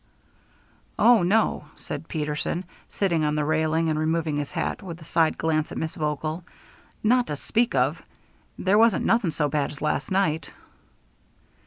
"Oh, no," said Peterson, sitting on the railing and removing his hat, with a side glance at Miss Vogel, "not to speak of. There wasn't nothing so bad as last night."